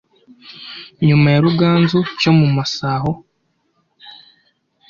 nyuma cya Ruganzu cyo mu Musaho